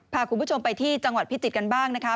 พาคุณผู้ชมไปที่จังหวัดพิจิตรกันบ้างนะคะ